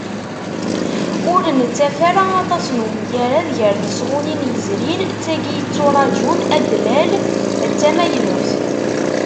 Ur nettaf ara aṭas n umgarad gar tesɣunin yezrin d tagi yetturaǧun ad d-tlal d tamaynut.